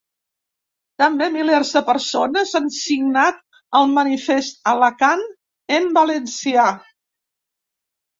També milers de persones han signat el manifest Alacant en valencià.